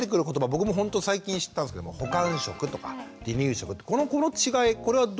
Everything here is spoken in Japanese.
僕もほんと最近知ったんですけども補完食とか離乳食ってこの違いこれはどう。